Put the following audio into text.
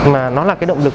mà nó là cái động lực